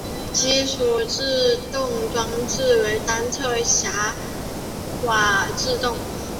基础制动装置为单侧闸瓦制动。